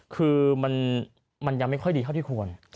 คือมันยังไม่ค่อยดีเท่าที่ควร